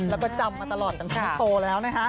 แล้วก็จำมาตลอดตั้งคอนโตแล้วนะฮะ